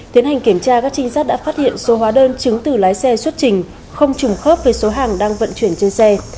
tiến hành kiểm tra các trinh sát đã phát hiện số hóa đơn chứng từ lái xe xuất trình không trùng khớp với số hàng đang vận chuyển trên xe